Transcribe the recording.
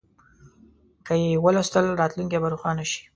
که یې ولوستل، راتلونکی به روښانه شي.